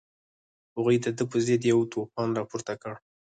هغوی د ده په ضد یو توپان راپورته کړ.